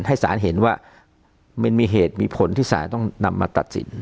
ให้สารเห็นว่ามันมีเหตุมีผลที่ศาลต้องนำมาตัดสิน